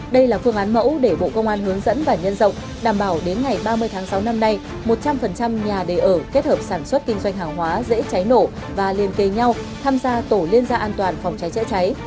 đây là phương án mẫu để bộ công an hướng dẫn và nhân rộng đảm bảo đến ngày ba mươi tháng sáu năm nay một trăm linh nhà đề ở kết hợp sản xuất kinh doanh hàng hóa dễ cháy nổ và liên kề nhau tham gia tổ liên gia an toàn phòng cháy chữa cháy